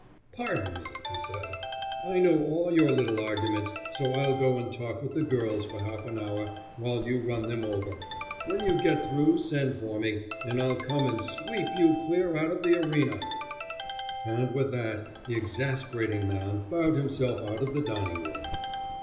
"Pardon me," he said, "I know all your little arguments, so I'll go and talk with the girls for half an hour while you run them over; when you get through send for me, and I'll come and SWEEP YOU CLEAR OUT OF THE ARENA." And with that the exasperating man bowed himself out of the dining room.